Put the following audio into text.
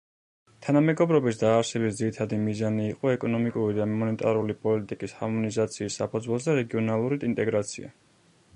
თანამეგობრობის დაარსების ძირითადი მიზანი იყო ეკონომიკური და მონეტარული პოლიტიკის ჰარმონიზაციის საფუძველზე რეგიონალური ინტეგრაცია.